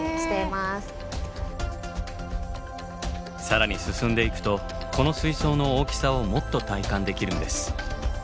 更に進んでいくとこの水槽の大きさをもっと体感できるんです。